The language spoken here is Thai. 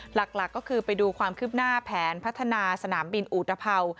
หลักก็คือไปดูความคืบหน้าแผนพัฒนาสนามบินอุตภัวร์